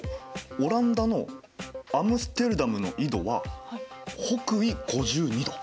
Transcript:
オランダのアムステルダムの緯度は北緯５２度。